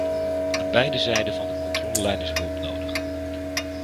Aan beide zijden van de controlelijn is hulp nodig.